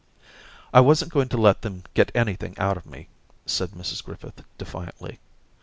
* I wasn't going to let them get anything out of me,' said Mrs Griffith, defiantly.